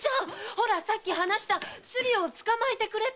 ほらさっき話したスリを捕まえてくれた！